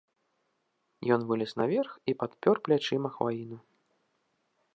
Ён вылез наверх і падпёр плячыма хваіну.